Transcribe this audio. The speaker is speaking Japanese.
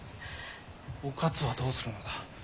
お勝はどうするのだ？